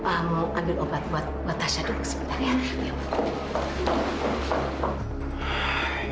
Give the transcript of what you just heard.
ambil obat buat tasya dulu sebentar ya